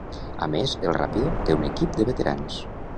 A més, el Rápido té un equip de veterans.